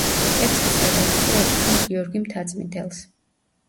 ტექსტის რედაქცია ეკუთვნის გიორგი მთაწმიდელს.